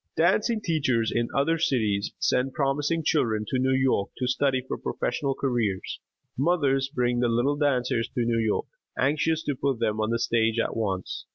Dancing teachers in other cities send promising children to New York to study for professional careers; mothers bring the little dancers to New York, anxious to put them on the stage at once.